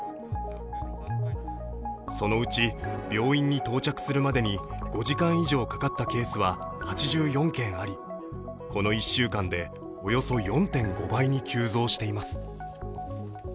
そのうち病院に到着するまでに５時間以上かかったケースは８４件あり、この１週間で、およそ４．５倍に急増しています。